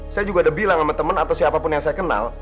saya juga udah bilang sama teman atau siapapun yang saya kenal